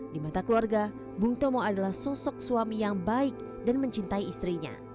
di mata keluarga bung tomo adalah sosok suami yang baik dan mencintai istrinya